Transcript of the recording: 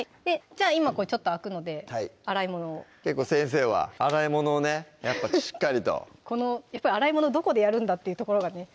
じゃあ今これちょっと空くので洗い物を結構先生は洗い物をねやっぱしっかりとやっぱり洗い物どこでやるんだっていうところがね